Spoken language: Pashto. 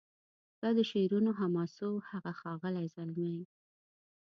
ستا د شعرونو حماسو هغه ښاغلی زلمی